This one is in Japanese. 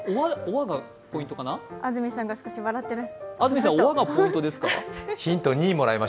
安住さんが少し笑ってらっしゃいます。